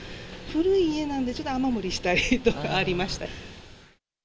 古い家なんで、ちょっと雨漏りしたりとかありました。